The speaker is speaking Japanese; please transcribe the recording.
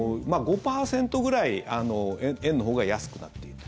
５％ぐらい円のほうが安くなっている。